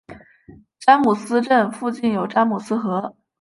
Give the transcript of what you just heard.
詹姆斯镇附近有詹姆斯河。